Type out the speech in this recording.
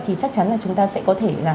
thì chắc chắn là chúng ta sẽ có thể